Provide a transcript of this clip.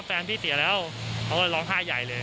แฟนพี่เสียแล้วเขาก็ร้องไห้ใหญ่เลย